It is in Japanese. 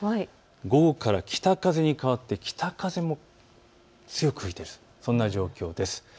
午後から北風に変わって北風も強く吹いている、そんな状況です。